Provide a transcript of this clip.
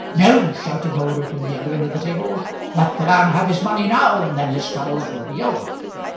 "No," shouted Moulder, from the other end of the table; "let the man have his money now, and then his troubles will be over.